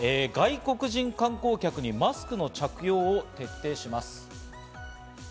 続いては外国人観光客にマスクの着用を徹底します。